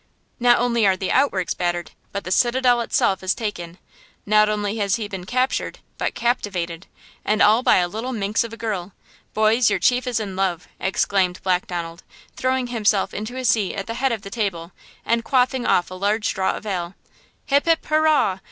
Not only are the outworks battered, but the citadel itself is taken! Not only has he been captured, but captivated! And all by a little minx of a girl! Boys, your chief is in love!" exclaimed Black Donald, throwing himself into his seat at the head of the table, and quaffing off a large draught of ale. "Hip! hip! hurraw!